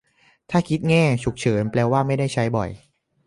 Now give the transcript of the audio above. ถ้าคิดแง่ "ฉุกเฉิน" แปลว่าไม่ได้ใช้บ่อย